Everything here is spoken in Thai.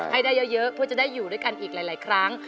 ให้ได้เยอะเพื่อจะได้อยู่ด้วยกันอีกหลายครั้ง